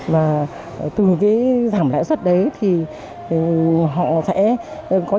và từ cái giảm lãi suất đấy thì họ sẽ có nhiều sản phẩm mà nó hạ giá thì đến tay người dân